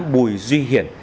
bùi duy hiển